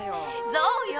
そうよ。